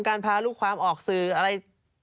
พาลูกความออกสื่ออะไร